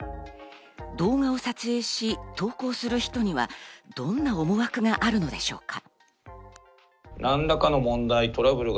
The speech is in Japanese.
動画を撮影し、投稿する人にはどんな思惑があるのでしょうか。